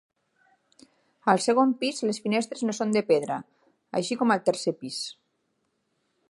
Al segon pis les finestres no són de pedra, així com al tercer pis.